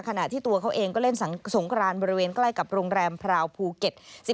ขณะที่ตัวเขาเองก็เล่นสงครานบริเวณใกล้กับโรงแรมพราวภูเก็ต